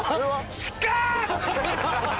失格！